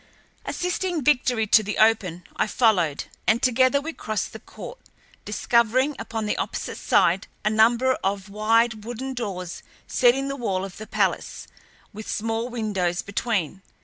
Assisting Victory to the open, I followed, and together we crossed the court, discovering upon the opposite side a number of wide, wooden doors set in the wall of the palace, with small windows between.